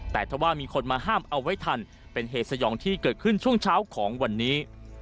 แต่ถ้าว่ามีคนมาห้ามเอาไว้ทันเป็นเหตุสยองที่เกิดขึ้นช่วงเช้าของวันนี้